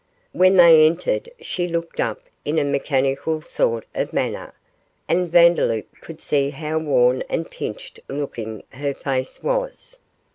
When they entered she looked up in a mechanical sort of manner, and Vandeloup could see how worn and pinched looking her face was.